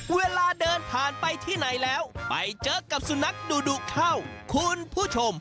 เวลาเดินผ่านไปที่ไหนแล้วไปเจอกับสุนัขดุเข้าคุณผู้ชม